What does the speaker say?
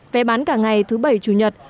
vé bán cả ngày thứ bảy chủ nhật